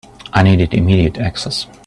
I needed immediate access.